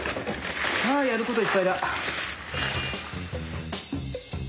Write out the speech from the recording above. あやることいっぱいだ。